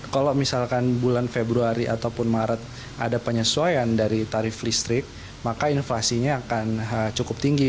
kalau misalkan bulan februari ataupun maret ada penyesuaian dari tarif listrik maka inflasinya akan cukup tinggi